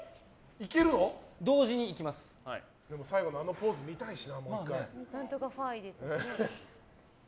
最後のあのポーズ見たいしな。